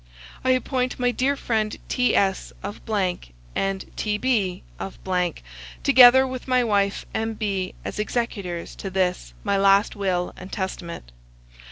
I appoint my dear friend T.S., of , and T.B., of , together with my wife M.B., as executors to this my last will and testament.